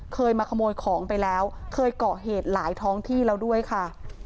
เคยมาขโมยของไปแล้วเคยเกาะเหตุหลายท้องที่แล้วด้วยค่ะ